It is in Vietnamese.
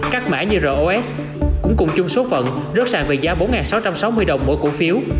các mã như ros cũng cùng chung số phận rớt sàn về giá bốn sáu trăm sáu mươi đồng mỗi cổ phiếu